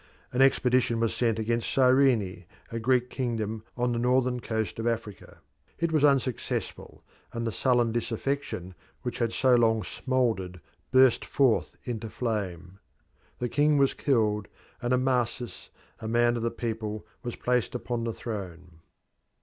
An expedition was sent against Cyrene, a Greek kingdom on the northern coast of Africa. It was unsuccessful, and the sullen disaffection which had so long smouldered burst forth into flame. The king was killed, and Amasis, a man of the people, was placed upon the throne.